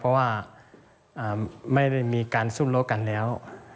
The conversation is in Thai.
เพราะว่าไม่ได้มีการซุ่มรถกันแล้ว